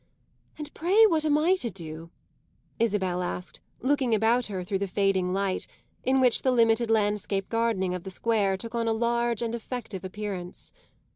And, pray, what am I to do?" Isabel asked, looking about her through the fading light, in which the limited landscape gardening of the square took on a large and effective appearance.